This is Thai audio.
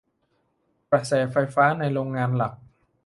กระแสไฟในโรงงานหลัก